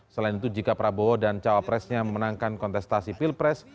selain itu jika prabowo dan cawapresnya memenangkan kontestasi pilpres